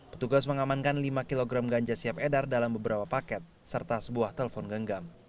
petugas mengamankan lima kg ganja siap edar dalam beberapa paket serta sebuah telepon genggam